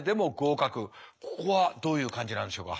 ここはどういう感じなんでしょうか。